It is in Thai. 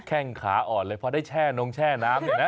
แข้งขาอ่อนเลยเพราะได้เช่น้องเช่น้ำอยู่นะ